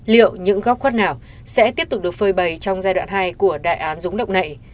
liệu những góc khuất nào sẽ tiếp tục được phơi bày trong giai đoạn hai của đại án rúng động này